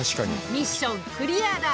ミッションクリアだ！